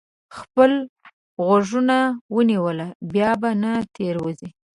خپل غوږونه یې ونیول؛ بیا به نه تېروځي.